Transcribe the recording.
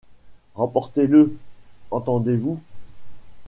Remportez-le, entendez-vous !